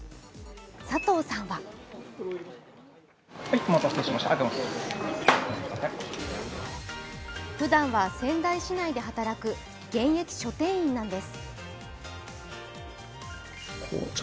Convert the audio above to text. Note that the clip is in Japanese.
佐藤さんはふだんは仙台市内で働く現役書店員なんです。